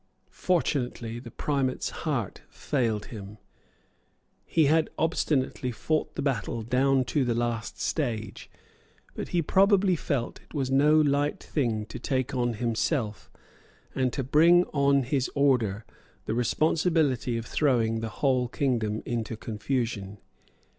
Fortunately the Primate's heart failed him. He had obstinately fought the battle down to the last stage. But he probably felt that it was no light thing to take on himself, and to bring on his order, the responsibility of throwing the whole kingdom into confusion.